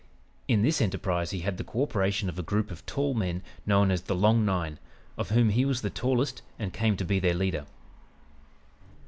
In this enterprise he had the co operation of a group of tall men, known as "the Long Nine," of whom he was the tallest and came to be the leader.